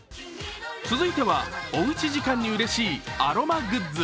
続いては、おうち時間にうれしいアロマグッズ。